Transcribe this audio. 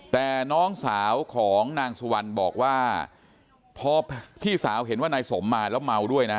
แต่น้องสาวของนางสุวรรณบอกว่าพอพี่สาวเห็นว่านายสมมาแล้วเมาด้วยนะ